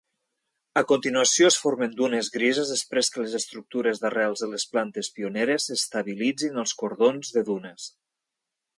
A continuació, es formen dunes grises després que les estructures d'arrels de les plantes pioneres estabilitzin els cordons de dunes.